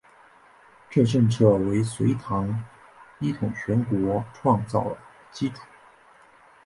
这政策为隋唐一统全国创造了基础。